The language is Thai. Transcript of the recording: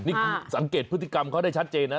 นี่สังเกตพฤติกรรมเขาได้ชัดเจนนะ